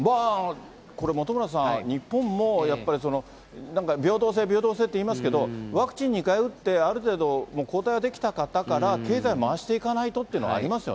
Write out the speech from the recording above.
これ、本村さん、日本もやっぱり、なんか平等性、平等性っていいますけど、ワクチン２回打って、ある程度、抗体が出来た方から経済回していかないとっていうのはありますよ